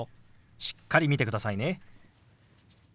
しっかり見てくださいね。